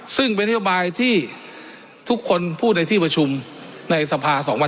ซึ่งเป็นนโยบายที่ทุกคนพูดในที่ประชุมในสภา๒วัน